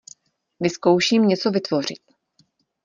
Vyzkouším něco vytvořit.